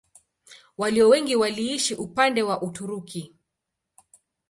Walio wengi waliishi upande wa Uturuki.